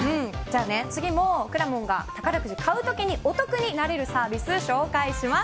次もくらもんが宝くじ買うときにお得になれるサービス紹介します。